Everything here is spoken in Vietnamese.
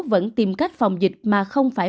vẫn tìm cách phòng dịch mà không phải